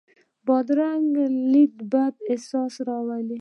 بدرنګه لید بد احساس راولي